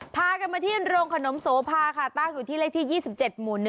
พากันมาที่โรงขนมโสภาค่ะตั้งอยู่ที่เลขที่๒๗หมู่๑